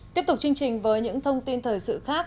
tiếp tục chương trình với những thông tin thời sự khác